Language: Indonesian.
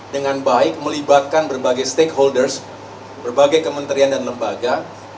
dengan baik melibatkan berbagai stakeholders berbagai kementerian dan lembaga